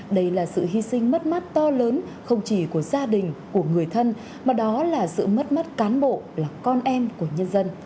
đây là sự hy sinh mất mát to lớn không chỉ của gia đình của người thân mà đó là sự mất mắt cán bộ là con em của nhân dân